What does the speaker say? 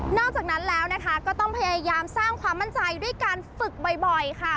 อกจากนั้นแล้วนะคะก็ต้องพยายามสร้างความมั่นใจด้วยการฝึกบ่อยค่ะ